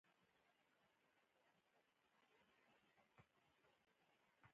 تر لمانځه وروسته بیرته د ډاکټر کره ورغلو.